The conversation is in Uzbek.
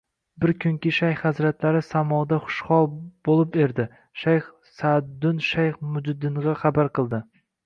Bir kunki, shayx hazratlari samoʻda xushhol boʻlib erdi, shayx Saʼduddin shayx Majduddingʻa xabar qildi